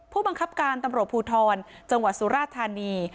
ผู้บังคับการตำรวจภูทรจังหวัดสุราธานี